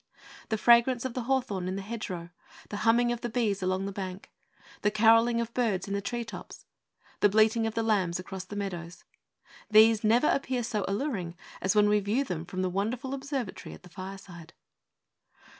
The fragrance of the hawthorn in the hedgerow; the humming of the bees along the bank; the carolling of birds in the tree tops; the bleating of the lambs across the meadows, these never appear so alluring as when we view them from the wonderful observatory at the fireside.